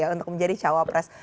untuk menjadi cawapres